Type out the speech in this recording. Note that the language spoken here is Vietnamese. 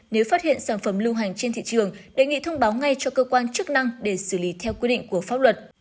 nếu phát hiện sản phẩm lưu hành trên thị trường đề nghị thông báo ngay cho cơ quan chức năng để xử lý theo quy định của pháp luật